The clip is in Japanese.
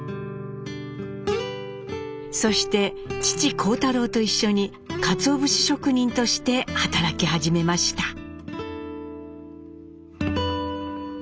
そして父・幸太郎と一緒にかつお節職人として働き始めました。